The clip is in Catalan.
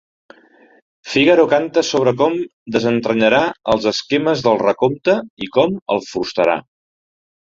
Figaro canta sobre com desentranyarà els esquemes del recompte i com el frustrarà.